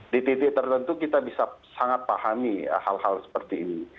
di titik tertentu kita bisa sangat pahami hal hal seperti ini